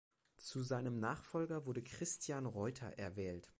Zu seinem Nachfolger wurde Christian Reuter erwählt.